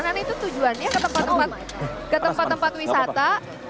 karena itu tujuannya ke tempat tempat wisata